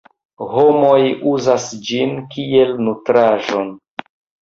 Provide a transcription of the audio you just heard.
Homoj uzas ĝin kiel nutraĵon.